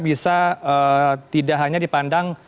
bisa tidak hanya dipandang